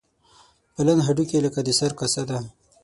پلن هډوکي لکه د سر کاسه ده.